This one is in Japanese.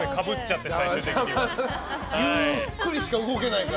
ゆっくりしか動けないから。